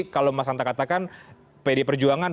kalau mas hanta katakan pd perjuangan